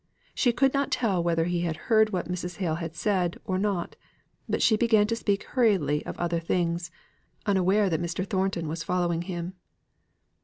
She could not tell whether he had heard what Mrs. Hale had said or not; but she began speaking hurriedly of other things, unaware that Mr. Thornton was following him.